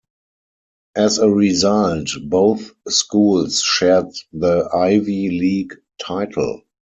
As a result, both schools shared the Ivy League title.